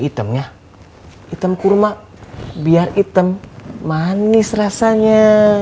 itemnya item kurma biar item manis rasanya